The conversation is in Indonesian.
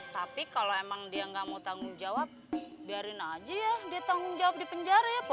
tapi kalau emang dia nggak mau tanggung jawab biarin aja ya dia tanggung jawab di penjara ya pak